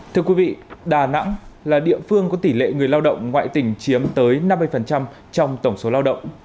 thưa quý vị đà nẵng là địa phương có tỷ lệ người lao động ngoại tỉnh chiếm tới năm mươi trong tổng số lao động